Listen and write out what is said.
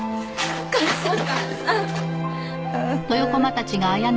お母さん。